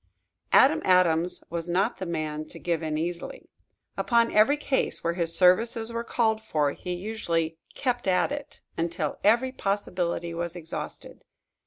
Adam Adams was not the man to give in easily. Upon every case where his services were called for, he usually "kept at it" until every possibility was exhausted.